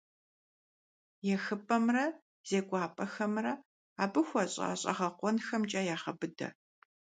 ЕхыпӀэмрэ зекӀуапӀэхэмрэ абы хуэщӀа щӀэгъэкъуэнхэмкӀэ ягъэбыдэ.